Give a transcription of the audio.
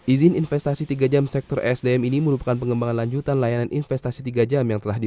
izin investasi tiga jam sektor sdm ini merupakan pengembangan lanjutan layanan investasi tiga jam